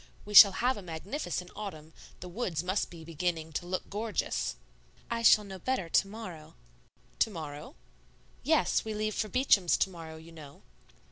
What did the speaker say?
We shall have a magnificent autumn; the woods must be beginning to look gorgeous." "I shall know better to morrow." "To morrow?" "Yes; we leave for Beacham's to morrow, you know."